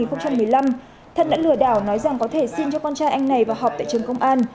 thân đã lừa đảo nói rằng có thể xin cho con trai anh này vào họp tại trường công an